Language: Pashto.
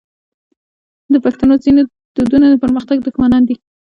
د پښتنو ځینې دودونه د پرمختګ دښمنان دي.